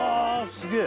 すげえ！